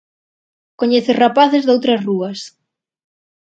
coñeces rapaces doutras rúas;